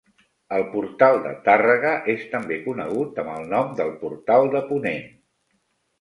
El portal de Tàrrega és també conegut amb el nom del portal de ponent.